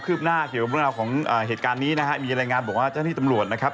เข้ามาขอจับมือพี่ปูพงศิษย์นะครับ